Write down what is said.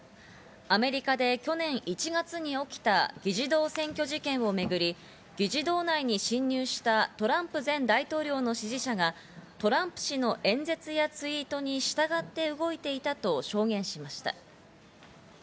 アメリカで去年１月に起きた議事堂占拠事件をめぐり議事堂内に侵入したトランプ前大統領の支持者がトランプ氏の演説やツイートに従って動いていたと証言しました。